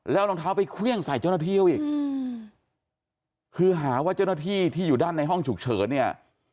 แล้วรองเท้าไปเครื่องใส่เจ้าหน้าที่เขาอีกคือหาว่าเจ้าหน้าที่ที่อยู่ด้านในห้องฉุกเฉินเนี่ย